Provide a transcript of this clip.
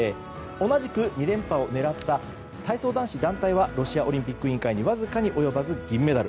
同じく２連覇を狙った体操男子団体はロシアオリンピック委員会にわずかに及ばず銀メダル。